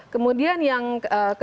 kemudian yang kedua juga